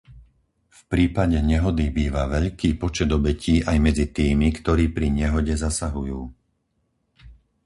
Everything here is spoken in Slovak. V prípade nehody býva veľký počet obetí aj medzi tými, ktorí pri nehode zasahujú.